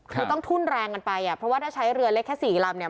คือต้องทุ่นแรงกันไปอ่ะเพราะว่าถ้าใช้เรือเล็กแค่สี่ลำเนี่ย